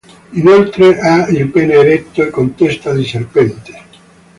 Inoltre, ha il pene eretto e con testa di serpente.